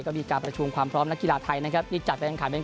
ก็มีการประชุมความพร้อมนักกีฬาไทยนะครับที่จัดไปแข่งขันเป็น